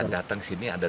datang sini ada dua